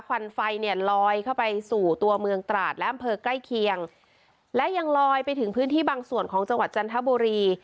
ควันไฟเนี่ยลอยเข้าไปสู่ตัวเมืองตราดและอำเภอใกล้เคียงและยังลอยไปถึงพื้นที่บางส่วนของจังหวัดจันทบุรี